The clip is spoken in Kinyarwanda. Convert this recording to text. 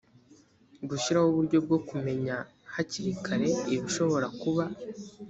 gushyiraho uburyo bwo kumenya hakiri kare ibishobora kuba